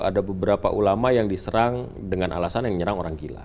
ada beberapa ulama yang diserang dengan alasan yang menyerang orang gila